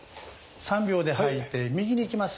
３秒で吐いて右にいきます。